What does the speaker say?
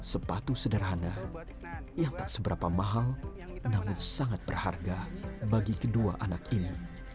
sepatu sederhana yang tak seberapa mahal namun sangat berharga bagi kedua anak ini